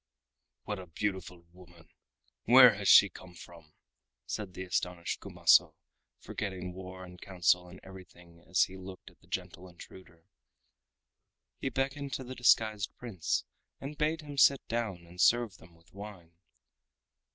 "What a beautiful woman! Where has she come from?" said the astonished Kumaso, forgetting war and council and everything as he looked at the gentle intruder. He beckoned to the disguised Prince and bade him sit down and serve them with wine.